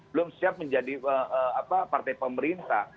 belum siap menjadi partai pemerintah